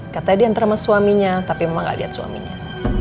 katanya dia antar sama suaminya tapi mama gak liat suaminya